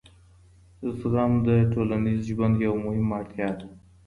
زغم د ټولنیز ژوند یوه مهمه اړتیا ده.